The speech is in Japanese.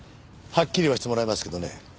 はっきり言わせてもらいますけどね